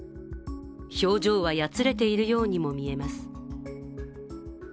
表情はやつれているようにも見えます。